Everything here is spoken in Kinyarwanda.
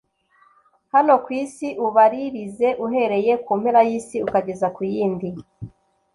hano ku isi ubaririze uhereye ku mpera y’isi ukageza ku yindi